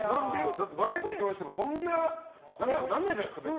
だってバラエティーで共演してもそんな仲良くならないじゃないですか。